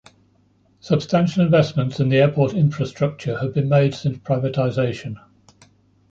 Substantial investments in the airport infrastructure have been made since the privatization.